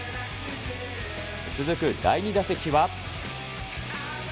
続く第２打席は。